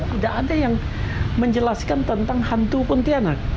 tidak ada yang menjelaskan tentang hantu pontianak